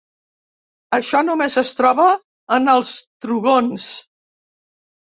Això només es troba en els trogons.